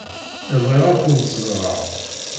Bɣiɣ ad kent-ẓṛeɣ.